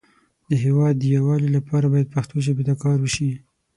د هیواد د یو والی لپاره باید پښتو ژبې ته کار وشی